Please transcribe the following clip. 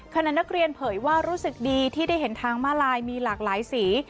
ขณะนักเรียนเผยว่ารู้สึกดีที่ได้เห็นทางมาลายมีหลากหลายสี